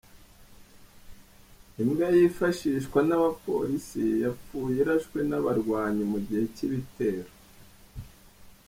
Imbwa yifashishwa n'abapolisi yapfuye irashwe n’abarwanyi mu gihe cy’ibitero.